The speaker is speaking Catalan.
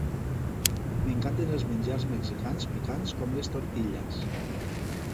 M'encanten els menjars mexicans picants com les tortillas.